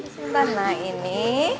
sebentar nah ini